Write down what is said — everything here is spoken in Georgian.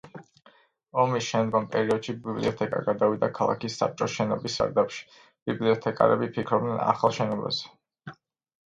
ომის შემდგომ პერიოდში ბიბლიოთეკა გადავიდა ქალაქის საბჭოს შენობის სარდაფში, ბიბლიოთეკარები ფიქრობდნენ ახალ შენობაზე.